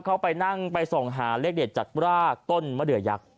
เข้าไปนั่งไปส่องหาเลขเด็ดจากรากต้นมะเดือยักษ์